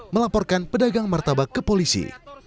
melaporkan pedagang martabak ke polisi